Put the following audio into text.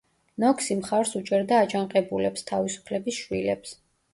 ნოქსი მხარს უჭერდა აჯანყებულებს, თავისუფლების შვილებს.